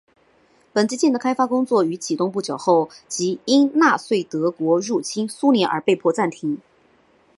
本级舰的开发工作于启动不久后即因纳粹德国入侵苏联而被迫暂停。